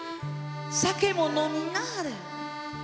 酒も飲みなはれ。